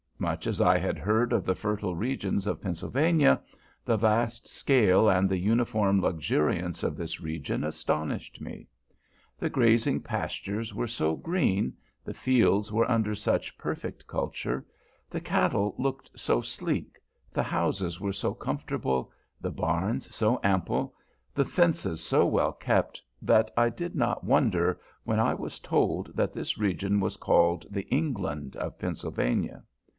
Much as I had heard of the fertile regions of Pennsylvania, the vast scale and the uniform luxuriance of this region astonished me. The grazing pastures were so green, the fields were under such perfect culture, the cattle looked so sleek, the houses were so comfortable, the barns so ample, the fences so well kept, that I did not wonder, when I was told that this region was called the England of Pennsylvania.